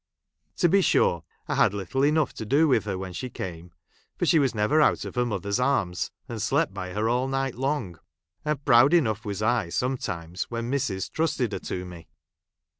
To be sui'e, I had little enough to do with her when she came, for she was never out of her mother's arms, and slept by her all night long ; and proud enough was I sometimes when missis trusted her to me.